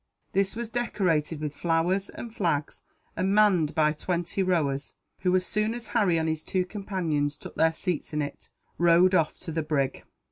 This was decorated with flowers and flags and manned by twenty rowers who, as soon as Harry and his two companions took their seats in it, rowed off to the brig.